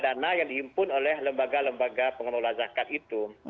dana yang dihimpun oleh lembaga lembaga pengelola zakat itu